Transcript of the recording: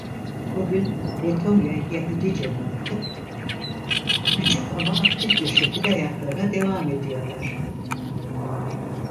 Bugün Letonya Yahudi cemaati küçük ama aktif bir şekilde hayatlarına devam ediyorlar.